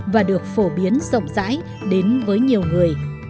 và được phổ biến rộng rãi đến với nhiều người